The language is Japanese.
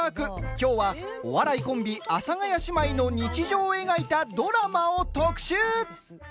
きょうは、お笑いコンビ阿佐ヶ谷姉妹の日常を描いたドラマを特集。